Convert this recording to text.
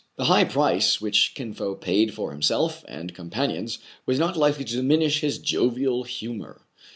The high price which Kin Fo paid for himself and companions was not likely to diminish his jovial humor.